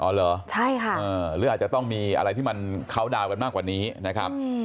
เหรอใช่ค่ะหรืออาจจะต้องมีอะไรที่มันเข้าดาวน์กันมากกว่านี้นะครับ